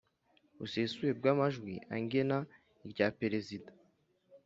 busesuye bw Amajwi angina iryaperezida